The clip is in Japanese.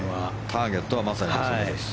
ターゲットはまさにそこです。